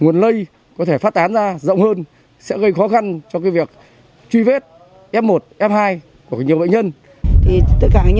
nguồn lây có thể phát tán ra rộng hơn sẽ gây khó khăn cho việc truy vết f một f hai của nhiều bệnh nhân